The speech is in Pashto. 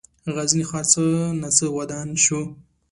غزني ښار څه ناڅه ودان شو.